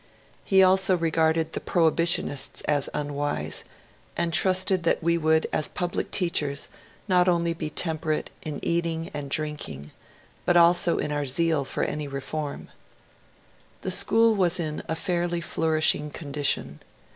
He also regarded the ^' Prohibitionists " as unwise, and trusted that we would as public teachers not only be temper ate in eating and drinking, but also in our zeal for any reform. The school was in a fairly flourishing condition.